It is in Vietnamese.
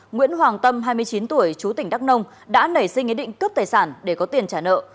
nguyễn hoàng tâm hai mươi chín tuổi chú tỉnh đắk nông đã nảy sinh ý định cướp tài sản để có tiền trả nợ